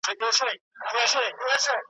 د نسیم قاصد لیدلي مرغکۍ دي په سېلونو .